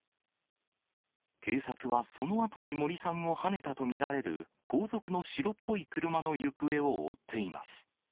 警察は、そのあとに森さんをはねたと見られる後続の白っぽい車の行方を追っています。